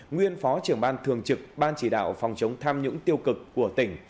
nguyên phó trưởng ban thường trực ban chỉ đạo phòng chống tham nhũng tiêu cực của tỉnh